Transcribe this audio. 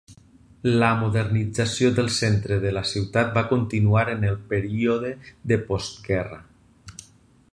La modernització del centre de la ciutat va continuar en el període de postguerra.